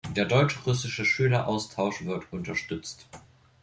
Der deutsch-russische Schüleraustausch wird unterstützt.